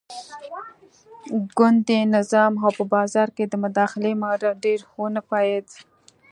ګوندي نظام او په بازار کې د مداخلې ماډل ډېر ونه پایېد.